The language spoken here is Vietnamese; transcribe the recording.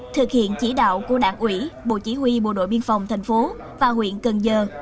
thực hiện chỉ đạo của đảng ủy bộ chỉ huy bộ đội biên phòng thành phố và huyện cần giờ